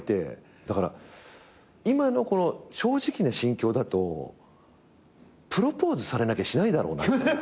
だから今のこの正直な心境だとプロポーズされなきゃしないだろうな。